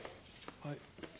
はい。